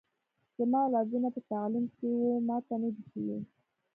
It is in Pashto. زما اولادونه په تعلیم کي و ماته نه دي سوي